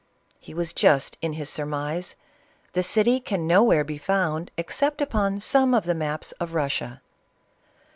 '1'1 He was just in his surmise. The city can nowhere be found except upon some of the maps of Eussia.